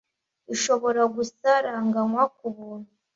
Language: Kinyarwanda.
ishobora gusaranganywa kubuntu